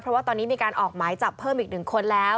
เพราะว่าตอนนี้มีการออกหมายจับเพิ่มอีก๑คนแล้ว